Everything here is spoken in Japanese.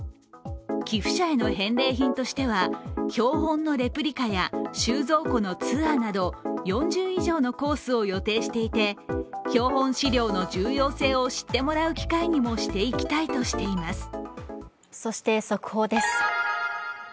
寄付者への返礼品としては標本のレプリカや収蔵庫のツアーなど４０以上のコースを予定していて標本資料の重要性を知ってもらう機会にもそして、速報です。